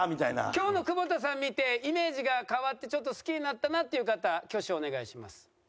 今日の久保田さん見てイメージが変わってちょっと好きになったなっていう方挙手お願いします。